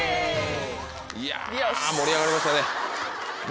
いや盛り上がりましたね。